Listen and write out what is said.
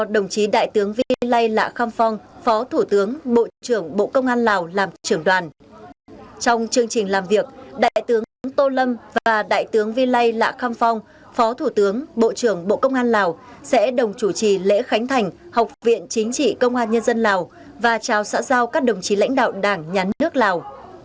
đại tướng vy lây lạ kham phong phó thủ tướng bộ trưởng bộ công an lào làm trưởng đoàn trong chương trình làm việc đại tướng tô lâm và đại tướng vy lây lạ kham phong phó thủ tướng bộ trưởng bộ công an lào sẽ đồng chủ trì lễ khánh thành học viện chính trị công an nhân dân lào và chào xã giao các đồng chí lãnh đạo đảng nhán nước lào